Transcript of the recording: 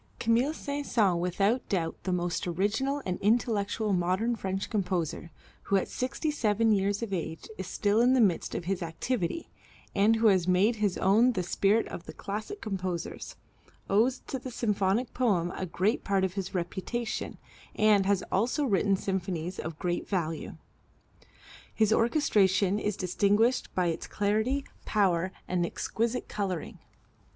Camille Saint Saëns, without doubt the most original and intellectual modern French composer, who at sixty seven years of age is still in the midst of his activity, and who has made his own the spirit of the classic composers, owes to the symphonic poem a great part of his reputation, and has also written symphonies of great value. His orchestration is distinguished by its clarity, power and exquisite coloring.